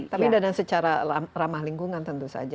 tapi dana secara ramah lingkungan tentu saja